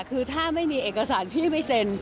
คือถ้าไม่มีเอกสารพี่ไม่เซ็น